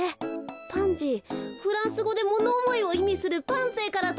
パンジーフランスごでものおもいをいみするパンゼーからとった。